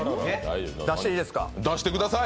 出していいですか？